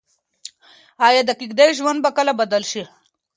ايا د کيږديو ژوند به کله بدل شي؟